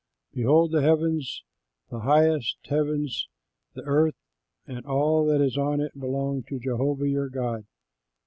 Behold, the heavens, the highest heavens, the earth and all that is on it belong to Jehovah your God.